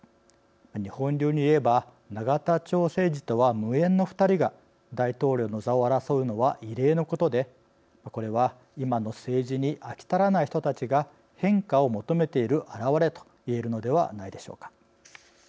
日本流にいえば永田町政治とは無縁の２人が大統領の座を争うのは異例のことでこれは今の政治に飽き足らない人たちが変化を求めている表れといえるのではないでしょうか。